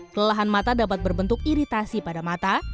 kelelahan mata dapat berbentuk iritasi pada mata